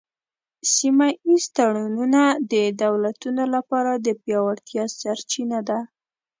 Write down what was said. سیمه ایز تړونونه د دولتونو لپاره د پیاوړتیا سرچینه ده